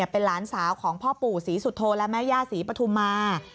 เป็นหลานสาวของพ่อปู่ศรีสุโธและแม่ย่าศรีปฐุมา